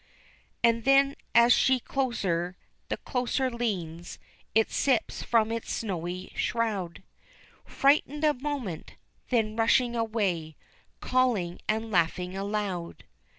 And then as she closer, and closer leans, it slips from its snowy shroud, Frightened a moment, then rushing away, calling and laughing aloud!